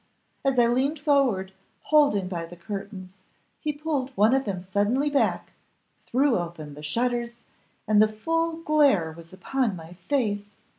As I leaned forward, holding by the curtains, he pulled one of them suddenly back, threw open the shutters, and the full glare was upon my face.